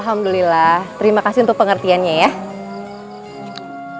alhamdulillah terimakasih untuk pengertiannya ya